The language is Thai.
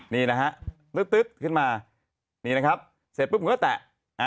นี่นะฮะตึ๊ดขึ้นมานี่นะครับเสร็จปุ๊บผมก็แตะ